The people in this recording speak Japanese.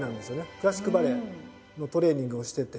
クラシックバレエのトレーニングをしてて。